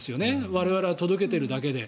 我々は届けているだけで。